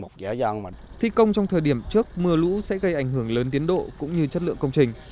thi công trong thời điểm trước mưa lũ sẽ gây ảnh hưởng lớn tiến độ cũng như chất lượng công trình